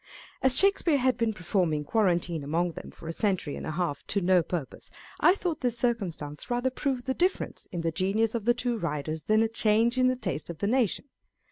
As Shakespeare had been performing quarantine among them for a century and a half to no purpose, I thought this circumstance rather proved the difference in the genius of the two writers than a change in the taste of the nation.